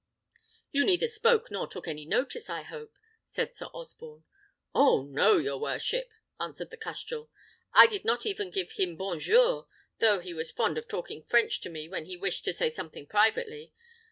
"You neither spoke nor took any notice, I hope," said Sir Osborne. "Oh, no, your worship!" answered the custrel; "I did not even give him bon jour, though he was fond of talking French to me when he wished to say something privately.